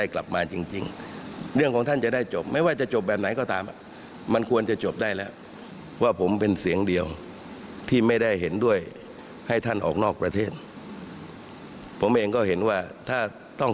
คือความจริงสักครั้งหนึ่ง